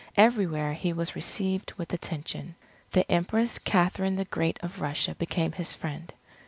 Everywhere he was received with attention. The Empress Catherine the Great of Russia became his friend.